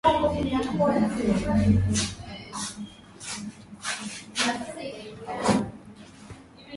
Akiwa na kampuni hiyo Karume alikaa nje miaka mitatu hadi aliporejea nyumbani kwa mapumziko